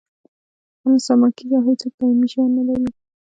هر انسان مړ کیږي او هېڅوک دایمي ژوند نلري